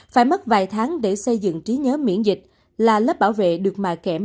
phải mất vài tháng để xây dựng trí nhớ miễn dịch là lớp bảo vệ được mà kém